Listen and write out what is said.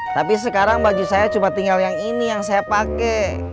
tapi sekarang baju saya cuma tinggal yang ini yang saya pakai